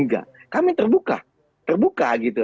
kami terbuka terbuka gitu